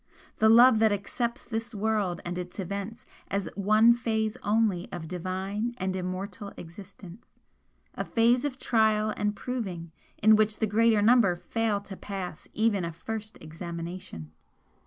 the love that accepts this world and its events as one phase only of divine and immortal existence a phase of trial and proving in which the greater number fail to pass even a first examination!